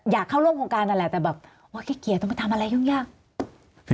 อยากเข้าร่วมโครงการนั่นแหละแต่แบบเกลียดต้องไปทำอะไรยุ่งยาก